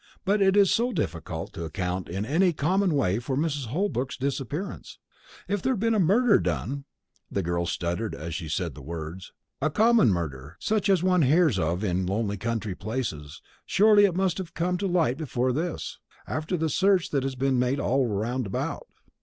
But it is so difficult to account in any common way for Mrs. Holbrook's disappearance. If there had been murder done" (the girl shuddered as she said the words) "a common murder, such as one hears of in lonely country places surely it must have come to light before this, after the search that has been made all round about.